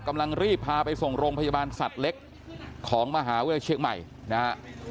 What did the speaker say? กำลังรีบพาไปส่งโรงพยาบาลสัตว์เล็กของมหาวิทยาลัยเชียงใหม่นะฮะ